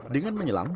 dengan ikan tersebut